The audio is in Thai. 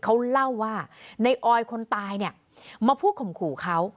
เขาเล่าว่าในออยคนตายเนี่ยมาพูดข่มขู่เขา